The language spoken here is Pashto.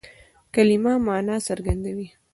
کلیمه مانا څرګندوي.